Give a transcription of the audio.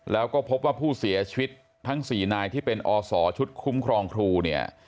แล้วก็พบว่าผู้เสียชีวิตทั้ง๔นายที่เป็นอศชุดคุ้มครองครูเนี่ย